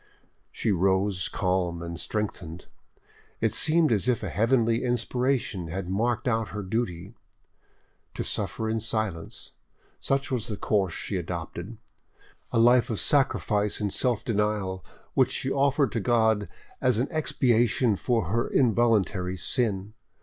She rose calm and strengthened: it seemed as if a heavenly inspiration had marked out her duty. To suffer in silence, such was the course she adopted,—a life of sacrifice and self denial which she offered to God as an expiation for her involuntary sin.